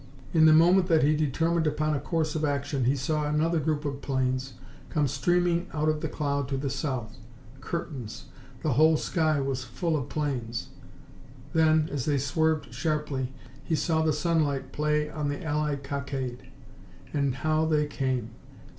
In the moment that he determined upon a course of action he saw another group of planes come streaming out of the cloud to the south. Curtains! The whole sky was full of planes. Then, as they swerved sharply, he saw the sunlight play on the allied cockade. And how they came!